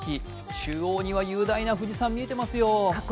中央には雄大な富士山、見えてますよ。